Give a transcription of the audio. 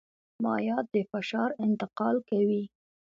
مایعات د فشار انتقال کوي.